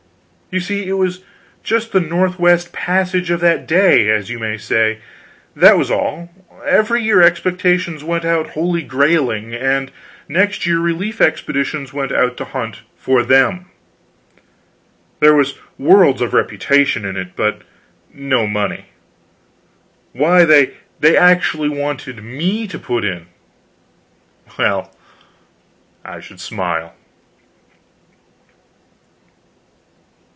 You see, it was just the Northwest Passage of that day, as you may say; that was all. Every year expeditions went out holy grailing, and next year relief expeditions went out to hunt for them. There was worlds of reputation in it, but no money. Why, they actually wanted me to put in! Well, I should smile.